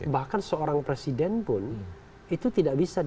bahkan seorang presiden pun itu tidak bisa